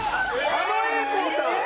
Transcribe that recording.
狩野英孝さん。